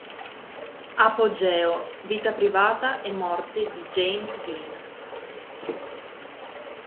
Apogeo, vita privata e morte di James Dean.